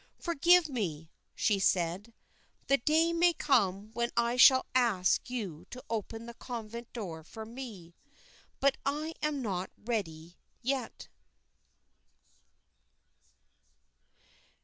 "Forgive me," she said; "the day may come when I shall ask you to open the convent door for me; but I am not ready yet."